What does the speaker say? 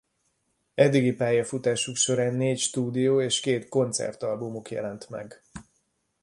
Eddigi pályafutásuk során négy stúdió- és két koncertalbumuk jelent meg.